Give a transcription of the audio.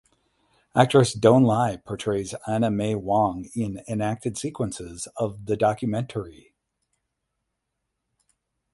Actress Doan Ly portrays Anna May Wong in enacted sequences of the documentary.